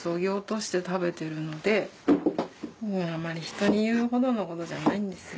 あまり人に言うほどのことじゃないんですよ。